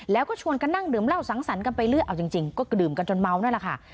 แล้วก็ชวนกันนั่งดื่มเหล้าสังสรรค์กันไปเรื่อยเอาจริงก็ดื่มกันจนเมานั่นแหละค่ะ